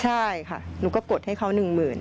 ใช่ค่ะหนูก็กดให้ข้าว๑๐๐๐๐